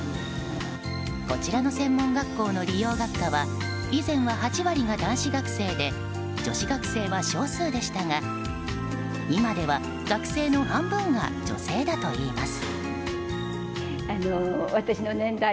こちらの専門学校の理容学科は以前は８割が男子学生で女子学生は少数でしたが、今では学生の半分が女性だといいます。